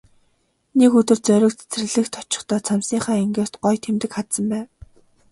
Нэг өдөр Зориг цэцэрлэгт очихдоо цамцныхаа энгэрт гоё тэмдэг хадсан байв.